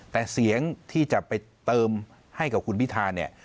แต่เสียงที่จะไปเติมให้กับคุณพิธาเนี่ย